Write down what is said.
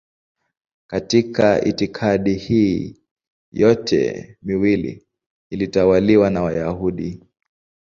Katika itikadi hii yote miwili ilitawaliwa na Wayahudi.